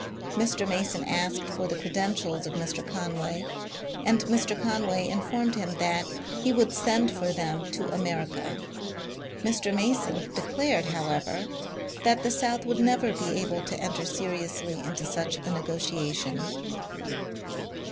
Mr. Mason asked for the credentials of Mr. Conway, and Mr. Conway informed him that he would send for them to America. Mr. Mason declared, however, that the South would never be able to enter seriously into such a ne gotiation.